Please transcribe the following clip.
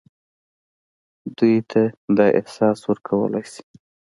دوی ته دا احساس ورکولای شي.